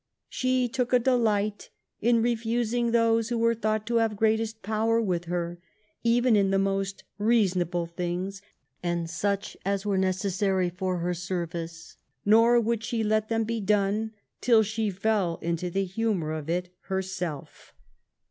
" She took a delight in refusing those who were thought to have greatest power with her, even in the most reasonable things, and such as were necessary for her service; nor would let them be done till she fell into the humour of it herself."